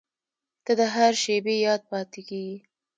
• ته د هر شېبې یاد پاتې کېږې.